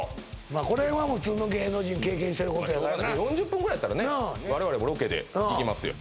まあこれは普通の芸能人経験してることやからな４０分ぐらいやったらね我々もロケで行きますよ